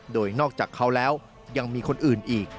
โดยนอกจากเขาแล้วยังมีคนอื่นอีก